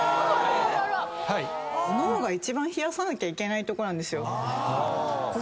脳が一番冷やさなきゃいけないとこなんですよ。